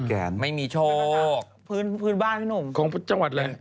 แก่นไม่มีโชคปืนปืนบ้านในของจังหวัดแหละ